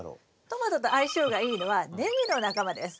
トマトと相性がいいのはネギの仲間です。